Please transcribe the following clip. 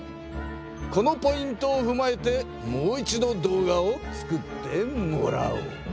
このポイントをふまえてもう一度動画を作ってもらおう。